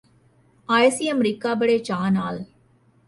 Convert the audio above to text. ਆਏ ਸੀ ਅਮਰੀਕਾ ਬੜੇ ਚਾਅ ਨਾਲ਼